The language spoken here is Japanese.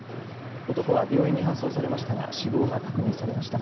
男は病院に搬送されましたが死亡が確認されました。